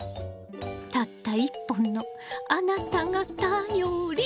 たった１本のあなたがた・よ・り！